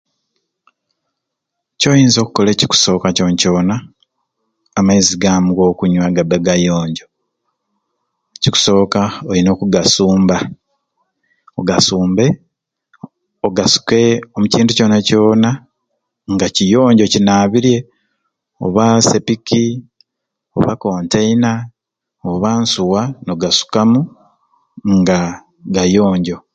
Kyoyinza okola ekikusoka kyona kyona amaizi gamu gokunywa nigabbe agayonjo ekikusoka oyina okugasumba ogasumbe ogasuuke omukintu kyona kyona nga kiyonjo okinabirye oba sepiki oba kontaina oba nsuwa nogasukamu nga gayonjo.